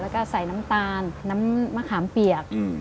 แล้วก็ใส่น้ำตาลน้ำมะขามเปียก